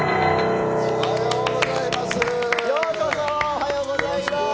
おはようございます。